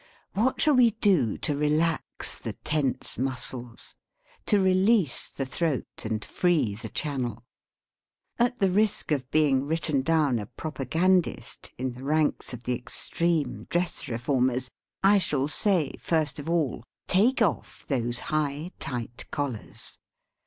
What shall we do to relax the tense muscles, to release the throat and free the channel ? At the risk of being written down a propagandist, in the ranks of the extreme dress reformers, I shall say, first of all, take off those high, tight collars.